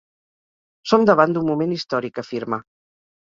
Som davant d’un moment històric, afirma.